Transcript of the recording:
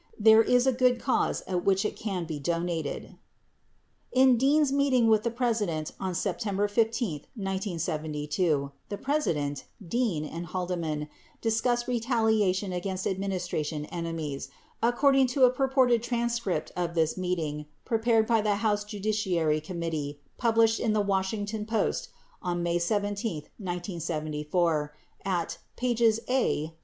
There is a good cause at which it can be donated." 60 In Dean's meeting with the President on September 15, 1972, the President, Dean and Haldeman discussed retaliation against admin istration "enemies," according to a purported transcript of this meet ing prepared by the House Judiciary Committee published in the Washington Post on May 17," 1974, at pp. A 26 8.